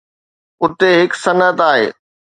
اتي هڪ صنعت آهي.